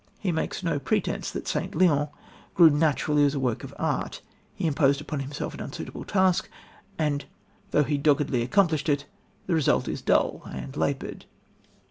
He makes no pretence that St. Leon grew naturally as a work of art. He imposed upon himself an unsuitable task, and, though he doggedly accomplished it, the result is dull and laboured.